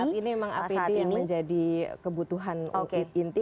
saat ini memang apd yang menjadi kebutuhan inti